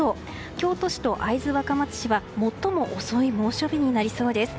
京都市と会津若松市は最も遅い猛暑日になりそうです。